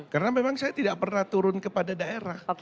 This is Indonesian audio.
karena memang saya tidak pernah turun kepada daerah